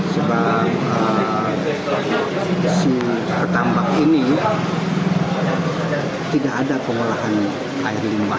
sebab si pertambak ini tidak ada pengolahan air limbah